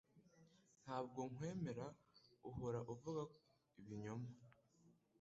Ntabwo nkwemera Uhora uvuga ibinyoma